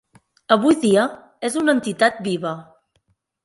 Avui dia és una entitat viva.